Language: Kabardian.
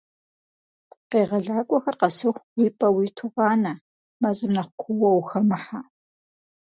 Къегъэлакӏуэхэр къэсыху, уи пӏэ уиту къанэ, мэзым нэхъ куууэ ухэмыхьэ.